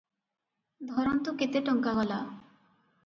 ଧରନ୍ତୁ କେତେ ଟଙ୍କା ଗଲା ।